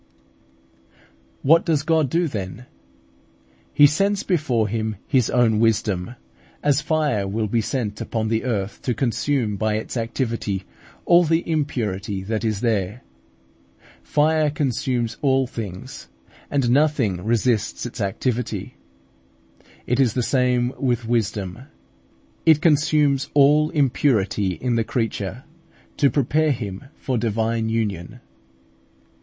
What does God do then? He sends before Him His own Wisdom, as fire will be sent upon the earth to consume by its activity all the impurity that is there. Fire consumes all things, and nothing resists its activity. It is the same with Wisdom; it consumes all impurity in the creature, to prepare him for divine union.